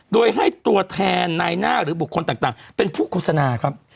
โดยให้ตัวแทนนายหน้าหรือบุคคลต่างเป็นผู้โฆษณาครับ